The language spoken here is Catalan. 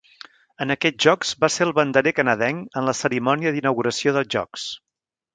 En aquests Jocs va ser el banderer canadenc en la cerimònia d'inauguració dels Jocs.